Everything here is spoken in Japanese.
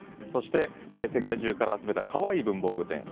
そして、世界中から集めた可愛い文房具店。